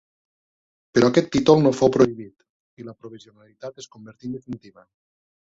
Però aquest títol no fou prohibit i la provisionalitat es convertí en definitiva.